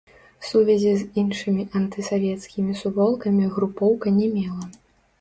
Сувязі з іншымі антысавецкімі суполкамі групоўка не мела.